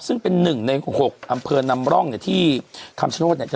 ซึ่งเป็นหนึ่งในหกหกอำเภอนำร่องเนี่ยที่คำสนุทรเนี่ย